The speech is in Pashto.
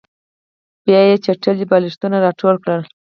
بیا یې چټل بالښتونه راټول کړل